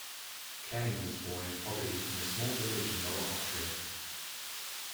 Kain was born in poverty in a small village in Lower Austria.